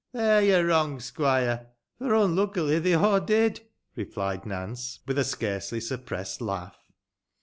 "There yo're wrong, squoire — ^fo' unluckily they aw did," replied Nance, with a scarcely suppressed laugh.